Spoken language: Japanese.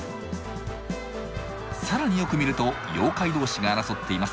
更によく見ると妖怪同士が争っています。